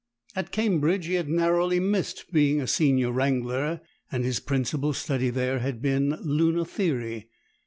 At Cambridge he had narrowly missed being a Senior Wrangler, and his principal study there had been Lunar Theory.